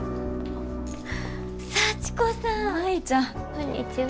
こんにちは。